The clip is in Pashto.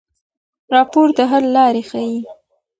راپور د حل لارې ښيي.